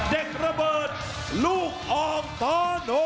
เด็กระเบิดลูกอองตอนโด